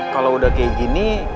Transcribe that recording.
kalau udah kayak gini